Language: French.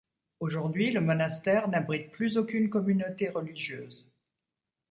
Aujourd'hui, le monastère n'abrite plus aucune communauté religieuse.